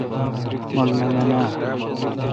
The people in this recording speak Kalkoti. مٹھ نہ من نا۔